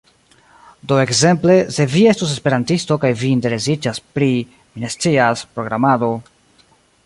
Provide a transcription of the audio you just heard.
Do ekzemple, se vi estus esperantisto kaj vi interesiĝas pri, mi ne scias, programado